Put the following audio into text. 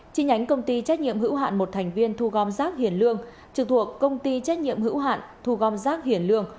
chi nhánh công ty trách nhiệm hữu hạn một thành viên thu gom rác hiền lương trực thuộc công ty trách nhiệm hữu hạn thu gom rác hiền lương